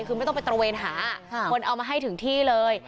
คือไม่ต้องไปตระเวนหาคนเอามาให้ถึงที่เลย